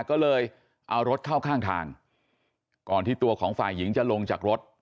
ก็เลยเอารถเข้าข้างทางก่อนที่ตัวของฝ่ายหญิงจะลงจากรถ